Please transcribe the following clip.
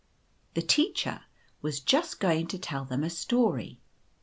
The Teacher was just going to tell them a story.